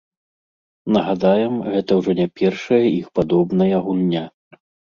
Нагадаем, гэта ўжо не першая іх падобная гульня.